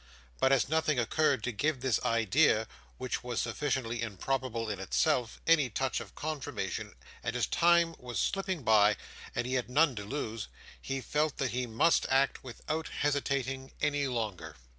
But as nothing occurred to give this idea (which was sufficiently improbable in itself) any touch of confirmation, and as time was slipping by, and he had none to lose, he felt that he must act, without hesitating any longer.